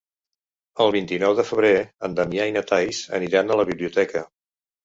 El vint-i-nou de febrer en Damià i na Thaís aniran a la biblioteca.